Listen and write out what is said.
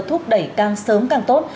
thúc đẩy càng sớm càng tốt